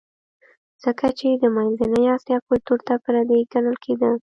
ځکه چې د منځنۍ اسیا کلتور ته پردی ګڼل کېده